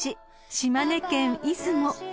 島根県出雲］